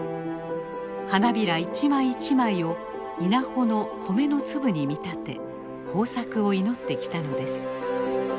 花びら一枚一枚を稲穂の米の粒に見立て豊作を祈ってきたのです。